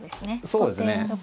そうですね。